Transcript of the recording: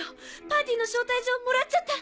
パーティーの招待状もらっちゃった。